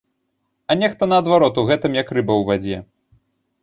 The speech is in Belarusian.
А нехта, наадварот, у гэтым як рыба ў вадзе.